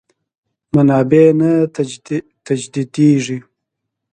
منابع نه تجدیدېږي.